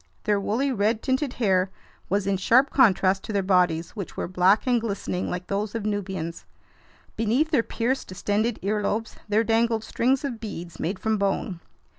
Their woolly, red tinted hair was in sharp contrast to their bodies, which were black and glistening like those of Nubians. Beneath their pierced, distended earlobes there dangled strings of beads made from bone.